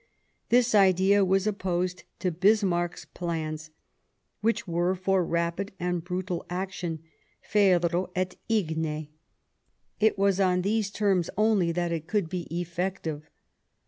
This idea was opposed to Bismarck's plans, which were for rapid and brutal action — ferro et igne; it was on these terms only 86 Sadowa that it could be effective.